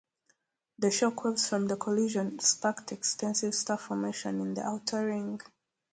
The shock waves from the collision sparked extensive star formation in the outer ring.